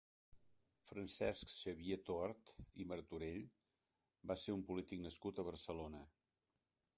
Francesc Xavier Tort i Martorell va ser un polític nascut a Barcelona.